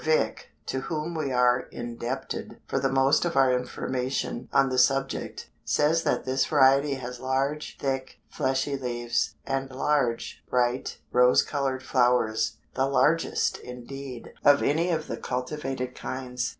Vick, to whom we are indebted for the most of our information on this subject, says that this variety has large, thick, fleshy leaves, and large, bright, rose colored flowers, the largest, indeed, of any of the cultivated kinds.